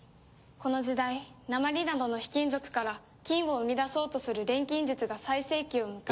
この時代鉛などの卑金属から金を生み出そうとする錬金術が最盛期を迎え。